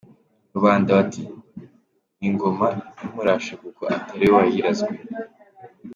Rubanda bati “Ni ingoma imurashe kuko atari we wayirazwe”.